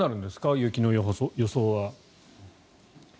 雪の予想は。